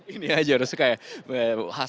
ini aja udah suka ya